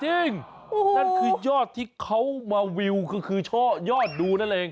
จริงนั่นคือยอดที่เขามาวิวคือชอบยอดดูนั่นแหละเอง